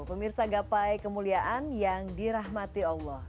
pemirsa gapai kemuliaan yang dirahmati allah